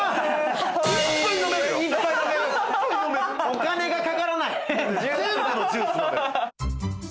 お金がかからない。